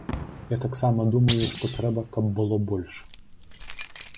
Я таксама думаю, што трэба, каб было больш.